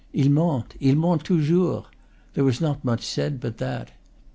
"Il monte; il monte toujours," there was not much said but that.